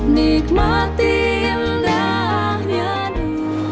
nikmatim dah nyadu